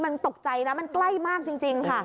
มันตกใจนะมันใกล้มากจริงค่ะ